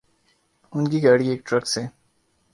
ان کی گاڑی ایک ٹرک سے